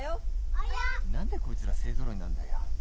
何でこいつら勢揃いなんだよ。